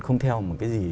không theo một cái gì